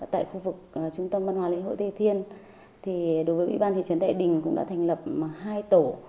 tại khu vực trung tâm văn hóa lễ hội tây thiên đối với ủy ban thị trấn đại đình cũng đã thành lập hai tổ